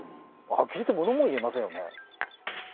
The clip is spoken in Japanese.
あきれてものも言えませんよね。